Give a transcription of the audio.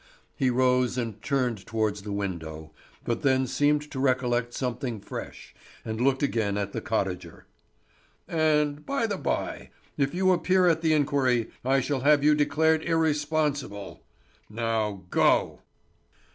He rose and turned towards the window, but then seemed to recollect something fresh, and looked again at the cottager. "And by the bye, if you appear at the inquiry I shall have you declared irresponsible. Now go!"